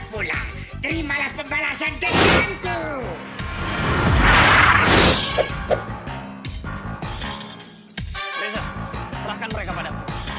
pula terimalah pembalasan kekuatanku